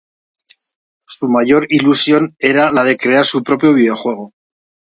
Su mayor ilusión era la de crear su propio videojuego.